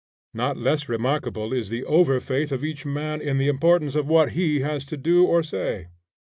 Not less remarkable is the overfaith of each man in the importance of what he has to do or say.